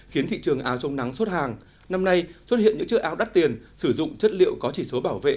khiến thị trường áo trong nắng xuất hàng năm nay xuất hiện những chiếc áo đắt tiền sử dụng chất liệu có chỉ số bảo vệ